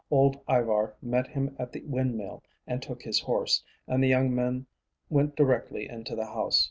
Old Ivar met him at the windmill and took his horse, and the young man went directly into the house.